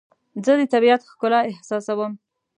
زه د طبیعت ښکلا احساسوم.